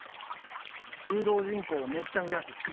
「柔道人口をめっちゃふやす！」です。